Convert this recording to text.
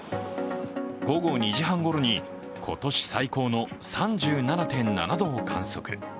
午後２時半ごろに今年最高の３７．７度を観測。